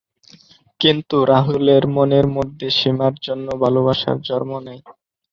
কিন্তু রাহুলের মনের মধ্যে সীমার জন্য ভালোবাসা জন্ম নেয়।